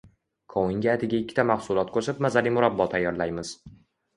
Qovunga atigi ikkita mahsulot qo‘shib mazali murabbo tayyorlaymiz